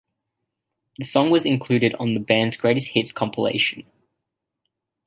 The song was included on the band's "Greatest Hits" compilation.